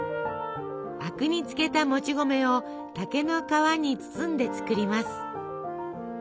灰汁につけたもち米を竹の皮に包んで作ります。